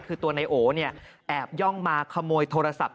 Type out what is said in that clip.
คือตัวในโอแอบย่องมาขโมยโทรศัพท์